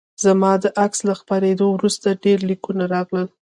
زما د عکس له خپریدو وروسته ډیر لیکونه راغلل